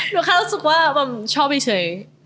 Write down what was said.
หนูค่ะรู้สึกว่าชอบไม่ใช่